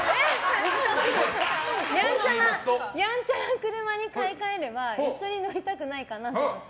やんちゃな車に買い替えれば一緒に乗りたくないかなと思って。